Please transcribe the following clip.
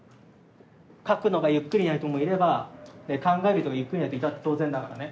書くのがゆっくりな人もいれば考えるゆっくりな人いたって当然だからね。